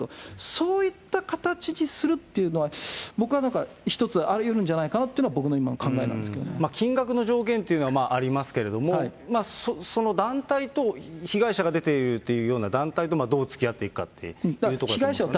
そういった形にするっていうのは、僕はなんか一つありうるんじゃないかなというのが僕の今の考えな金額の上限っていうのはありますけれども、その団体と、被害者が出ているというような団体とどうつきあっていくかということだと思いますね。